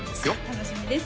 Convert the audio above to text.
楽しみです